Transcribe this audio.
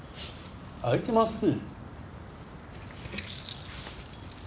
開いてますね。